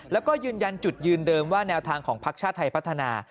แล้วก็ยืนยันจุดยืนเดิมว่าแนวทางของพักชาติไทยพัฒนา